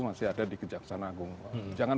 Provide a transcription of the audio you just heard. masih ada di kejaksaan agung jangan